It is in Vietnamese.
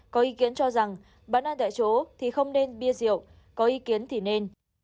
có ý kiến cho rằng bán ăn tại chỗ thì không nên bia rượu có ý kiến thì nên